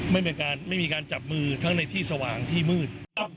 ไม่มีการจับมือทั้งในที่สว่างที่มืด